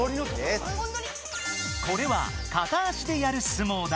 これは片足でやるすもうだ！